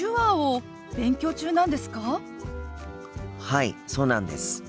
はいそうなんです。